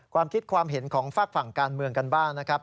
ความคิดความเห็นของฝากฝั่งการเมืองกันบ้างนะครับ